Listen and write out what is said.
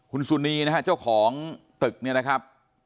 คุณสุนีนะฮะเจ้าของตึกเนี่ยนะครับ